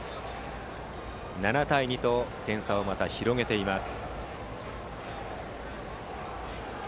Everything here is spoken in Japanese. ７対２と点差をまた広げています。